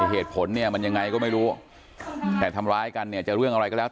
เหตุผลเนี่ยมันยังไงก็ไม่รู้แต่ทำร้ายกันเนี่ยจะเรื่องอะไรก็แล้ว